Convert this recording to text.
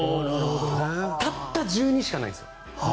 たった１２しかないんですよ。